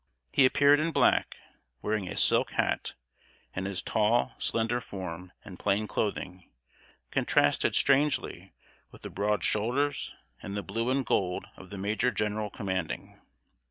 He appeared in black, wearing a silk hat; and his tall, slender form, and plain clothing, contrasted strangely with the broad shoulders and the blue and gold of the major general commanding.